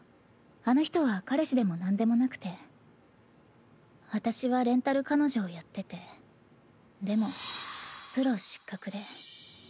あの人は彼氏でもなんでもなくて私はレンタル彼女をやっててでもプロ失格で。